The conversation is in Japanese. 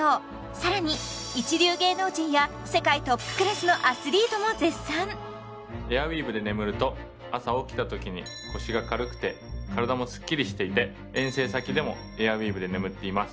更に一流芸能人や世界トップクラスのアスリートも絶賛エアウィーヴで眠ると朝起きたときに腰が軽くて体もすっきりしていて遠征先でもエアウィーヴで眠っています